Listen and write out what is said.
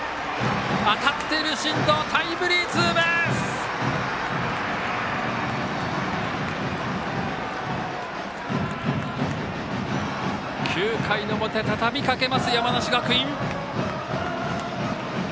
当たっている進藤タイムリーツーベース！９回の表、たたみかけます山梨学院！